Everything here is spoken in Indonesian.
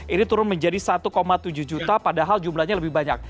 ini turun menjadi satu tujuh juta padahal jumlahnya lebih banyak